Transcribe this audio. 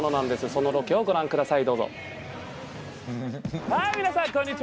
そのロケをご覧ください。